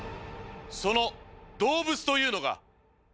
その動物というのが。